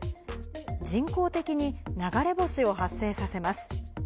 人工的に流れ星を発生させます。